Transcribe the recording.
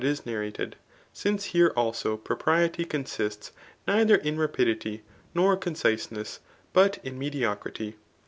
is narrated; since here also propriety consists neither in rapidity, nor conciseness, but in medio* crity.